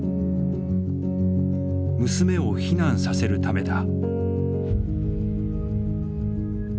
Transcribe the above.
娘を避難させるためだ。